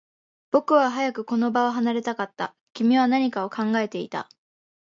僕は早くこの場を離れたかった。君は何かを考えていた。